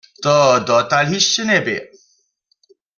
To dotal hišće njebě.